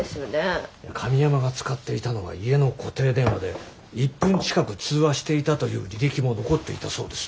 神山が使っていたのは家の固定電話で１分近く通話していたという履歴も残っていたそうです。